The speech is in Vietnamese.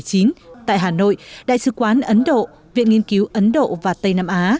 hai mươi chín tháng ba năm hai nghìn một mươi chín tại hà nội đại sứ quán ấn độ viện nghiên cứu ấn độ và tây nam á